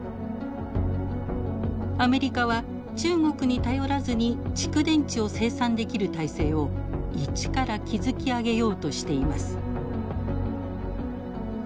アメリカは中国に頼らずに蓄電池を生産できる体制を一から築き上げようとしています。